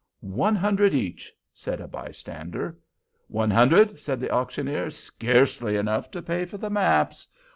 "One hundred each," said a bystander. "One hundred!" said the auctioneer, "scarcely enough to pay for the maps.